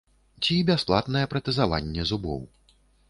Ці бясплатнае пратэзаванне зубоў.